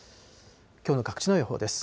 きょうの各地の予報です。